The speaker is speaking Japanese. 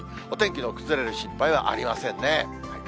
お天気の崩れる心配はありませんね。